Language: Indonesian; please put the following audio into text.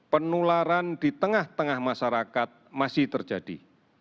penularan di tengah tengah masyarakat masih terjadi